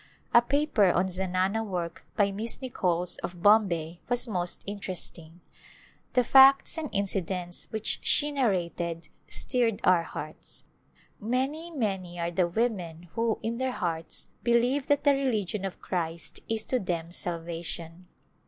A paper on zanana work by Miss Nichols of Bom bay was most interesting. The facts and incidents which she narrated stirred our hearts. Many, many are the women who, in their hearts, believe that the religion of Christ is to them salvation.